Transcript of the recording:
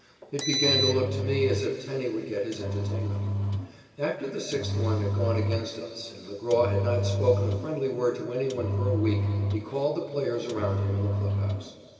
It began to look to me as if Tenney would get his entertainment. After the sixth one had gone against us and McGraw had not spoken a friendly word to any one for a week, he called the players around him in the clubhouse.